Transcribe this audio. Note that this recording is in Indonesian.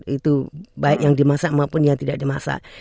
itu baik yang dimasak maupun yang tidak dimasak